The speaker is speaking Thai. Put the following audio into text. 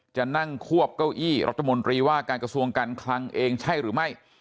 จะนั่งควบเก้าอี้รัฐมนตรีว่าการกระทรวงการคลังเองใช่หรือไม่